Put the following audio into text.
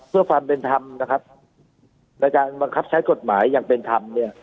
เพื่อความเป็นธรรมนะครับในการบังคับใช้กฎหมายอย่างเป็นธรรมเนี่ย